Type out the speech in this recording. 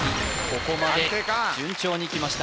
ここまで順調にきました